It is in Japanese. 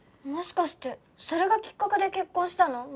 もしかしてそれがきっかけで結婚したの？